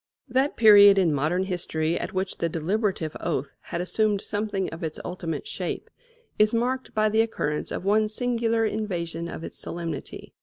That period in modern history at which the deliberative oath had assumed something of its ultimate shape is marked by the occurrence of one singular invasion of its solemnity.